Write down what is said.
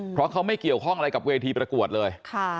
เพราะเขาไม่เกี่ยวข้องอะไรกับเวทีประกวดเลย